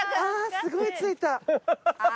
すごい付いた。